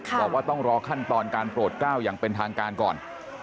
บอกว่าต้องรอขั้นตอนการโปรดก้าวอย่างเป็นทางการก่อน